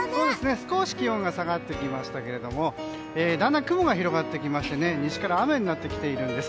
少し気温が下がってきましたけれどもだんだん雲が広がってきまして西から雨になってきているんです。